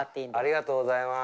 ありがとうございます。